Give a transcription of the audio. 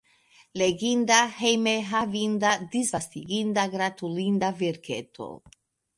Leginda, hejme havinda, disvastiginda, gratulinda verketo.